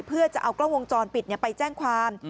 เพื่อจะเอากล้องวงจรปิดไปแจ้งความ